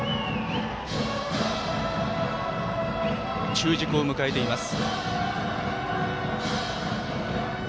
中軸を迎えています。